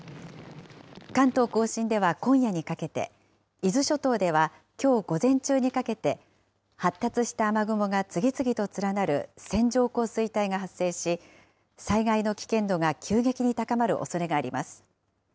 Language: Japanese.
関東甲信では今夜にかけて、伊豆諸島ではきょう午前中にかけて、発達した雨雲が次々と連なる線状降水帯が発生し、災害の危険度が急激に高まるおそれがあります。